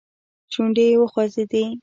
شونډې يې وخوځېدې.